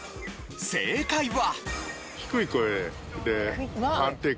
正解は。